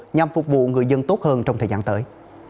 nhằm phục vụ người dân tốt hơn trong thời gian tới